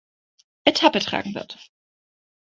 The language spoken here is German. Etappe tragen wird.